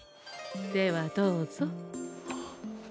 ではどうぞ。